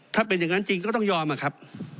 ถ้าเป็นอย่างนั้นจริงก็ต้องยอมอะครับ